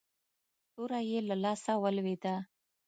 توره يې له لاسه ولوېده.